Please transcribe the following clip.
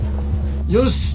よし。